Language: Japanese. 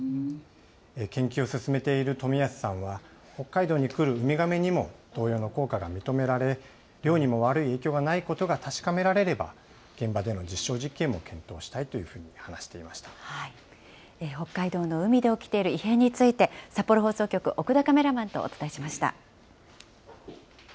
研究を進めている富安さんは、北海道に来るウミガメにも同様の効果が認められ、漁にも悪い影響がないことが確かめられれば、現場での実証実験も検討したいとい北海道の海で起きている異変について、札幌放送局、奥田カメラマンとお伝えしました。